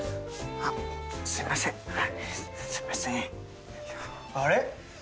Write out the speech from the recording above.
あれ？